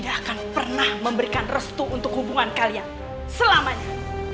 tidak akan pernah memberikan restu untuk hubungan kalian selamanya